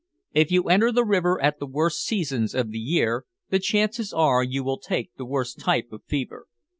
If you enter the river at the worst seasons of the year, the chances are you will take the worst type of fever.